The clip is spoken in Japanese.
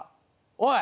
「おい！